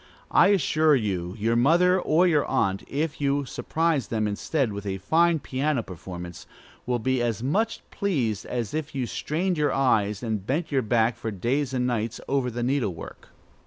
I assure you your mother or your aunt, if you surprise them instead with a fine piano performance, will be as much pleased as if you strained your eyes and bent your back for days and nights over the needle work.